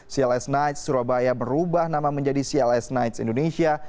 cls knights surabaya merubah nama menjadi cls knights indonesia